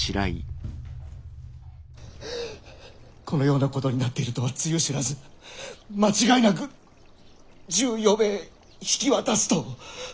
このようなことになっているとはつゆ知らず間違いなく１４名引き渡すと。